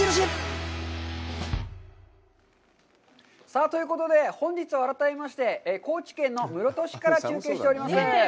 さあ、ということで、本日は改めまして、高知県の室戸市から中継しております。